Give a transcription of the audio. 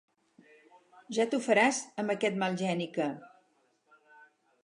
Ja t'ho faràs amb aquest mal geni que.